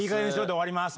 で終わります。